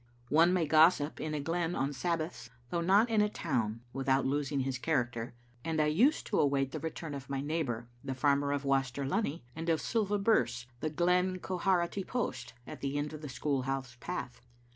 One may gossip in a glen on Sabbaths, though not in a town, without losing his character, and I used to await the return of my neighbour, the farmer of Waster Lunny, and of Silva Birse, the Glen Quharity post, at the end of the school house path.